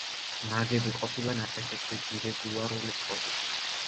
ნაგები ყოფილა ნატეხი ქვის ირეგულარული წყობით.